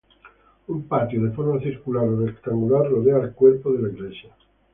Un patio, de forma circular o rectangular, rodea el cuerpo de la iglesia.